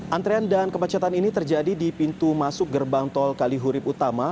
antrean dan kemacetan ini terjadi di pintu masuk gerbang tol kalihurib utama